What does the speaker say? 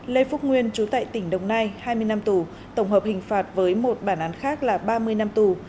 lê phúc nguyên chú tại tỉnh đồng nai hai mươi năm tù tổng hợp hình phạt với một bản án khác là ba mươi năm tù